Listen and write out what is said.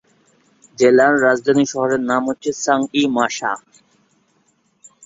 জেলার রাজধানী শহরের নাম হচ্ছে সাং-ই-মাশা।